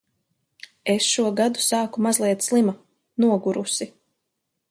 Es šo gadu sāku mazliet slima, nogurusi.